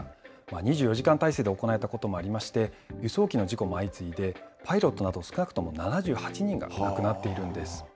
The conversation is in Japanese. ２４時間態勢で行われたこともありまして、輸送機の事故も相次いで、パイロットなど少なくとも７８人が亡くなっているんです。